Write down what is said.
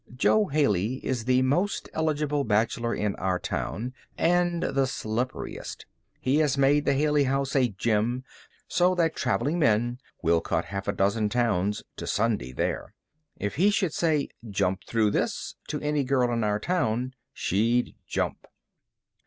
Jo Haley is the most eligible bachelor in our town, and the slipperiest. He has made the Haley House a gem, so that traveling men will cut half a dozen towns to Sunday there. If he should say "Jump through this!" to any girl in our town she'd jump.